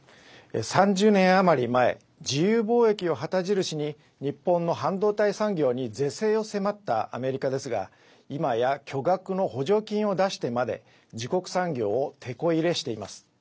３０年余り前、自由貿易を旗印に日本の半導体産業に是正を迫ったアメリカですがいまや巨額の補助金を出してまで自国産業を、てこ入れしています。